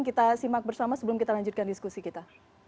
kita simak bersama sebelum kita lanjutkan diskusi kita